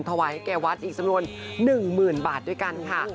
ถวายให้แก่วัดอีกสำนวนนึงหมื่นบาทด้วยกันค่ะ